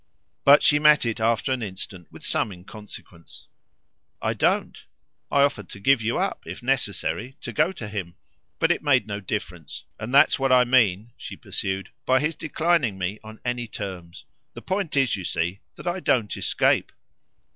But she met it after an instant with some inconsequence. "I don't. I offered to give you up, if necessary, to go to him. But it made no difference, and that's what I mean," she pursued, "by his declining me on any terms. The point is, you see, that I don't escape."